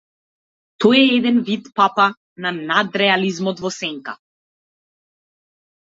Тој е еден вид папа на надреализмот во сенка.